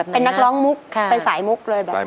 เป็นนักร้องมุกไปสายมุกเลย